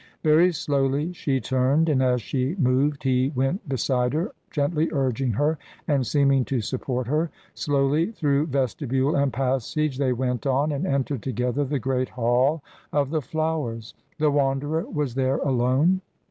Very slowly she turned, and as she moved he went beside her, gently urging her and seeming to support her. Slowly, through vestibule and passage, they went on and entered together the great hall of the flowers. The Wanderer was there alone.